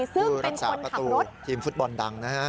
ผู้รักษาประตูทีมฟุตบอลดังนะฮะ